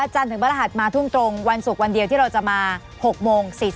จันทร์ถึงบรรหัสมาทุ่มตรงวันศุกร์วันเดียวที่เราจะมา๖โมง๔๐